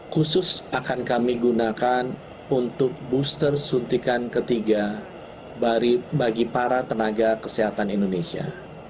khusus akan kami gunakan untuk booster suntikan ketiga bagi para tenaga kesehatan indonesia